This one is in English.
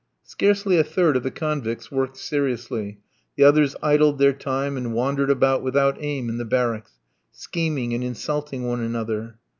Scarcely a third of the convicts worked seriously, the others idled their time and wandered about without aim in the barracks, scheming and insulting one another.